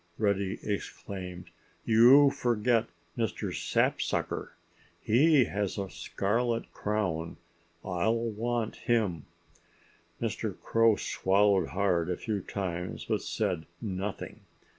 Reddy exclaimed. "You forget Mr. Sapsucker. He has a scarlet crown. I'll want him." Mr. Crow swallowed hard a few times but said nothing.